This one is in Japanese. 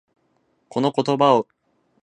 この言葉を言おう。